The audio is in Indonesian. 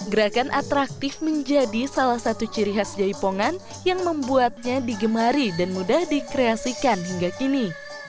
gerakan atraktif menjadi salah satu ciri khas jaipongan yang membuatnya digemari dan mudah dikreasikan hingga kini